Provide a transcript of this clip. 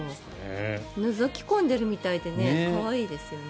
のぞき込んでいるみたいで可愛いですね。